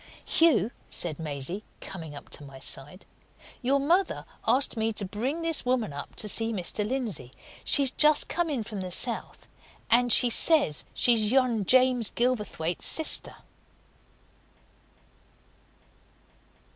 "Hugh," said Maisie, coming up to my side, "your mother asked me to bring this woman up to see Mr. Lindsey. She's just come in from the south, and she says she's yon James Gilverthwaite's sister."